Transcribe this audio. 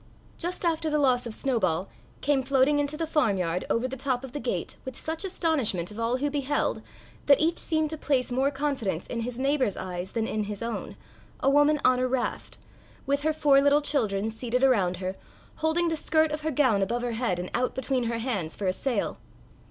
Just after the loss of Snowball, came floating into the farmyard, over the top of the gate, with such astonishment of all who beheld that each seemed to place more confidence in his neighbour's eyes than in his own, a woman on a raft, with her four little children seated around her, holding the skirt of her gown above her head and out between her hands for a sail.